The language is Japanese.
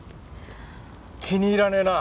気に入らねえな。